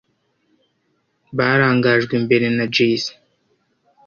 barangajwe imbere na Jay Z